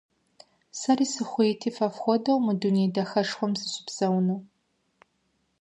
Сэри сыхуейти фэ фхуэдэу мы дуней дахэшхуэм сыщыпсэуну.